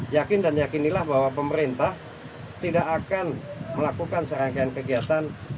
yakin dan yakinilah bahwa pemerintah tidak akan melakukan serangkaian kegiatan